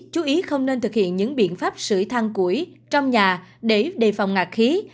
chú ý không nên thực hiện những biện pháp sửa thang củi trong nhà để đề phòng ngạc khí